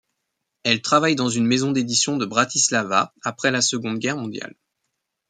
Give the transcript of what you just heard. Elle travaille dans une maison d'édition de Bratislava après la Seconde Guerre mondiale.